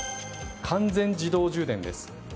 完全自動充電です。